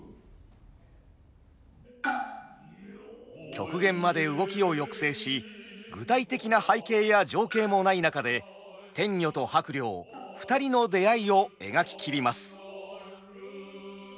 極限まで動きを抑制し具体的な背景や情景もない中で天女と伯了２人の出会いを描き切ります。